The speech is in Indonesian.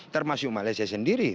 termasuk malaysia sendiri